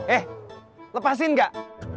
eh lepasin gak